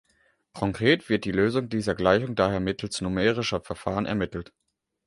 Konkret wird die Lösung dieser Gleichung daher mittels numerischer Verfahren ermittelt.